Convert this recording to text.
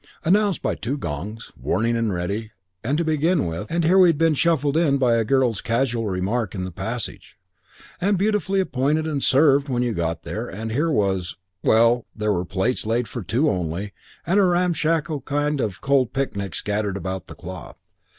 Announced by two gongs, warning and ready, to begin with, and here we'd been shuffled in by a girl's casual remark in the passage; and beautifully appointed and served when you got there and here was Well, there were places laid for two only and a ramshackle kind of cold picnic scattered about the cloth.